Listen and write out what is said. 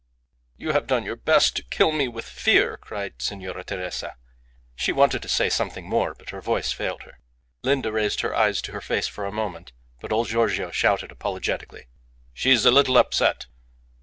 "You have done your best to kill me with fear," cried Signora Teresa. She wanted to say something more, but her voice failed her. Linda raised her eyes to her face for a moment, but old Giorgio shouted apologetically "She is a little upset."